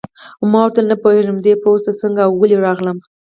ما ورته وویل: نه پوهېږم چې دې پوځ ته څنګه او ولې راغلم.